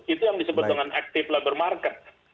itu yang disebut dengan active labor market